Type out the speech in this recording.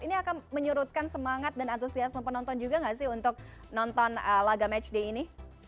ini akan menyurutkan semangat dan antusiasme penonton juga nggak sih untuk nonton laga matchday ini